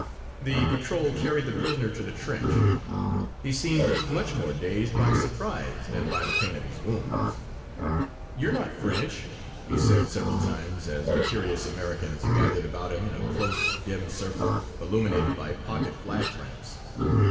The patrol carried the prisoner to the trench. He seemed much more dazed by surprise than by the pain of his wounds. "You're not French," he said several times as the curious Americans gathered about him in a close, dim circle illuminated by pocket flash lamps.